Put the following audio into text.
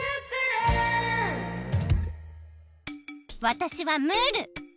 わたしはムール。